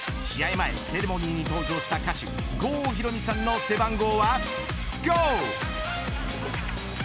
前、セレモニーに登場した歌手、郷ひろみさんの背番号はＧＯ。